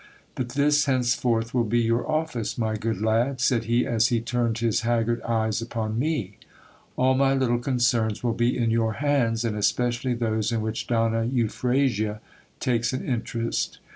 But this henceforth will be your office, my good lad, said he, as he turned his haggard eyes upon me ; all my little concerns will be in your hands, and especially those in which Donna Euphrasia takes an interest.